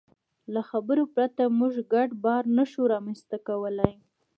له خبرو پرته موږ ګډ باور نهشو رامنځ ته کولی.